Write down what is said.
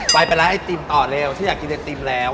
ไปแล้วไอติมต่อเร็วฉันอยากกินไอติมแล้ว